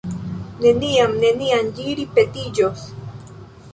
Neniam, neniam ĝi ripetiĝos!